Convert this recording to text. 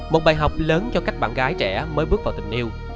một bài học lớn cho các bạn gái trẻ mới bước vào tình yêu